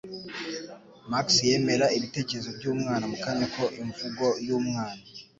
Max yemera ibitekerezo byumwana, mukanya ko imvugo yumwana